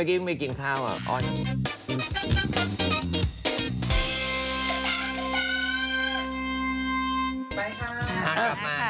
นี่เมื่อกี้ฟูกไปกินข้าวอ่อน